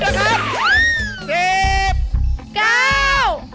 เอาแล้วเร็ว